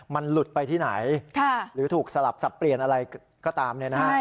มันหลุดไปที่ไหนหรือถูกสลับสับเปลี่ยนอะไรก็ตามเนี่ยนะฮะ